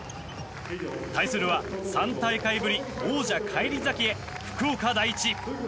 対するは３大会ぶり王者返り咲きへ福岡第一。